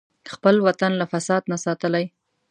خپل وطن له فساد نه ساتلی.